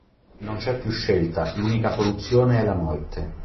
Non c'è più scelta, l'unica soluzione è la morte.